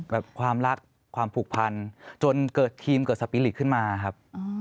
แบบความรักความผูกพันจนเกิดทีมเกิดสปีริตขึ้นมาครับ